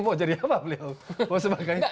mau jadi apa beliau mau sebagainya